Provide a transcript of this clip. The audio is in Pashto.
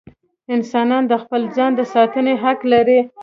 انسانان د خپل ځان د ساتنې حق لري.